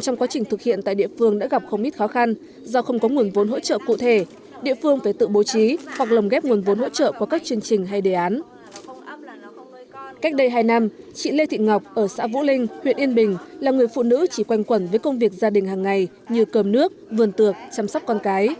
cách đây hai năm chị lê thị ngọc ở xã vũ linh huyện yên bình là người phụ nữ chỉ quanh quẩn với công việc gia đình hàng ngày như cơm nước vườn tược chăm sóc con cái